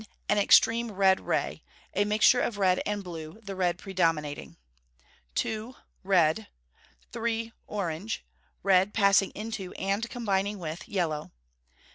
An extreme red ray a mixture of red and blue, the red predominating. 2. Red. 3. Orange red passing into and combining with yellow.